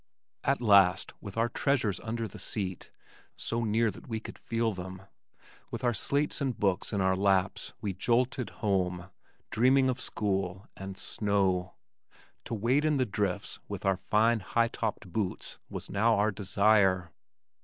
At last with our treasures under the seat (so near that we could feel them), with our slates and books in our laps we jolted home, dreaming of school and snow. To wade in the drifts with our fine high topped boots was now our desire.